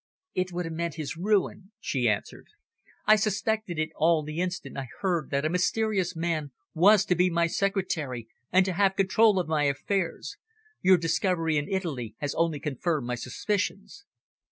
"It would have meant his ruin," she answered. "I suspected it all the instant I heard that a mysterious man was to be my secretary and to have control of my affairs. Your discovery in Italy has only confirmed my suspicions."